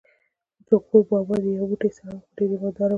چې غور بابا دې یو موټی سړی و، خو ډېر ایمان دار و.